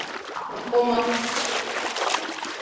Ufuma